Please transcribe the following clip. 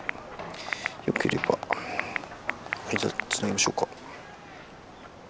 よければ間をつなぎましょうか？」。